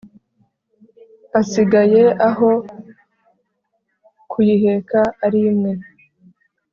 hasigaye aho kuyiheka ari mwe!»